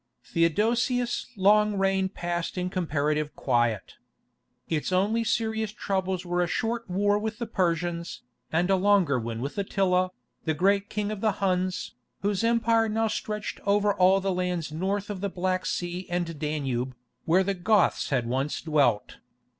Theodosius' long reign passed by in comparative quiet. Its only serious troubles were a short war with the Persians, and a longer one with Attila, the great king of the Huns, whose empire now stretched over all the lands north of the Black Sea and Danube, where the Goths had once dwelt.